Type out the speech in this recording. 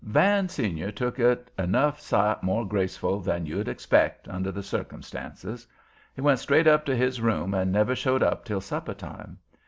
Van Senior took it enough sight more graceful than you'd expect, under the circumstances. He went straight up to his room and never showed up till suppertime.